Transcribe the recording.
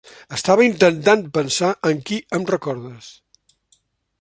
Estava intentant pensar en qui em recordes.